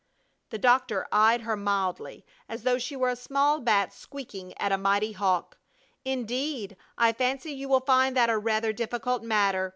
The doctor eyed her mildly, as though she were a small bat squeaking at a mighty hawk. "Indeed! I fancy you will find that a rather difficult matter!"